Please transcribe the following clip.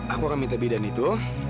aku akan minta bidan itu